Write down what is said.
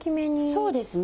そうですね。